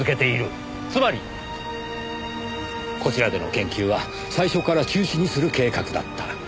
つまりこちらでの研究は最初から中止にする計画だった。